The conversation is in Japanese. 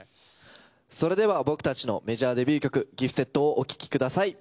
それでは僕たちのメジャーデビュー曲『Ｇｉｆｔｅｄ．』をお聞きください。